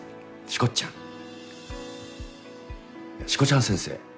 「しこちゃん先生。